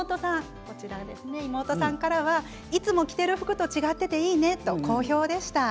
妹さんからはいつも着ている服と違っていていいねと好評でした。